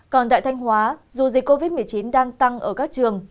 còn tại thanh hóa dù dịch covid một mươi chín đang tăng ở các trường